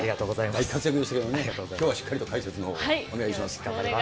大活躍でしたけれどもね、きょうはしっかりと解説のほうをお願いします。